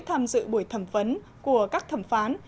tham dự buổi thẩm vấn của các thẩm phán